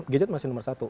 gadget masih nomor satu